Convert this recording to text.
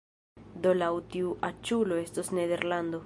Do laŭ tiu aĉulo estos Nederlando